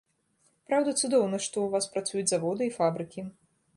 Праўда, цудоўна, што ў вас працуюць заводы і фабрыкі.